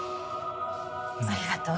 ありがとう。